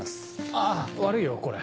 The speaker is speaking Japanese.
あぁ悪いよこれ。